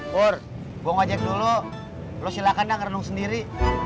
pur gua ngajak dulu lo silakan nang renung sendiri